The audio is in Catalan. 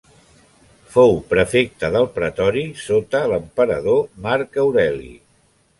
Fou prefecte del pretori sota l'emperador Marc Aureli.